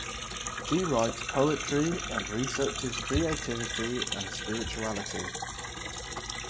She writes poetry and researches creativity and spirituality.